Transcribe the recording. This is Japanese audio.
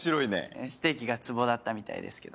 ステーキがツボだったみたいですけどもね。